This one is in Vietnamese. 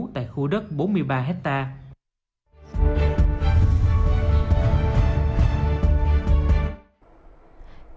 tại khu đất bốn mươi ba hectare